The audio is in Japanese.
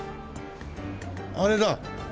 あれだ。